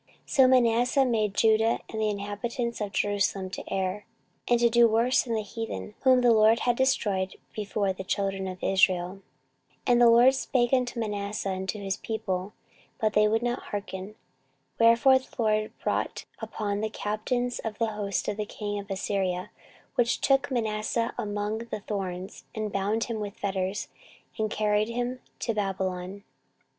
14:033:009 So Manasseh made Judah and the inhabitants of Jerusalem to err, and to do worse than the heathen, whom the LORD had destroyed before the children of Israel. 14:033:010 And the LORD spake to Manasseh, and to his people: but they would not hearken. 14:033:011 Wherefore the LORD brought upon them the captains of the host of the king of Assyria, which took Manasseh among the thorns, and bound him with fetters, and carried him to Babylon.